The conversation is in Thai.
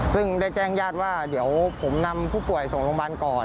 ซึ่งได้แจ้งญาติว่าเดี๋ยวผมนำผู้ป่วยส่งโรงพยาบาลก่อน